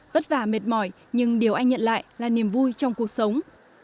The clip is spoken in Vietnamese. vất vả mệt mỏi nhưng điều anh nhận lại là niềm vui trong cuộc sống